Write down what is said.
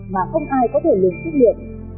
mà không ai có thể lưu trích lượng